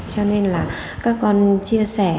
cho nên là các con chia sẻ